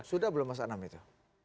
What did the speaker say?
sudah belum mas anam itu